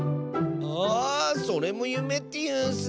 あそれもゆめっていうんスね！